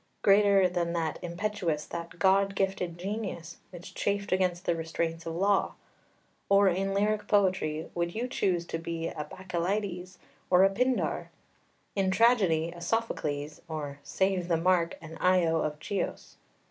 greater than that impetuous, that god gifted genius, which chafed against the restraints of law? or in lyric poetry would you choose to be a Bacchylides or a Pindar? in tragedy a Sophocles or (save the mark!) an Io of Chios?